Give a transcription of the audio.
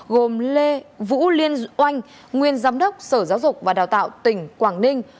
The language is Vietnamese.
gồm lê vũ liên oanh nguyên giám đốc sở giáo dục và đào tạo tỉnh quảng ninh